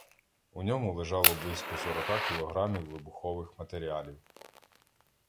У ньому лежало близько сорока кілограмів вибухових матеріалів.